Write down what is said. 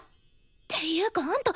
ていうかあんた